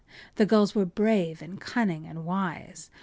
The gulls were brave, and cunning, and wise.